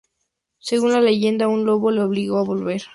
Según la leyenda, un lobo le obligó a volver.